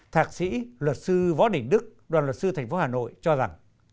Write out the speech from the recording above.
thạc sĩ luật sư võ đình đức đoàn luật sư tp hà nội cho rằng